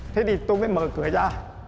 thế thì tôi mới mở cửa ra